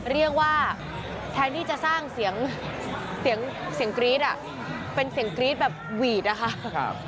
เรียกว่าแทนที่จะสร้างเสียงเสียงกรี๊ดอ่ะเป็นเสียงกรี๊ดแบบหวีดนะคะ